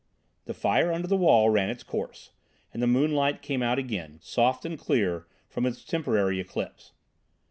The fire under the wall ran its course, and the moonlight came out again, soft and clear, from its temporary eclipse.